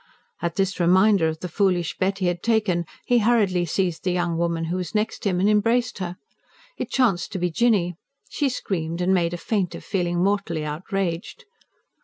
At this reminder of the foolish bet he had taken, he hurriedly seized the young woman who was next him, and embraced her. It chanced to be Jinny. She screamed, and made a feint of feeling mortally outraged.